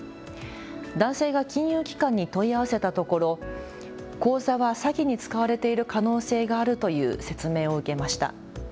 男性が金融機関に問い合わせたところ口座は詐欺に使われている可能性があるという説明を受けました。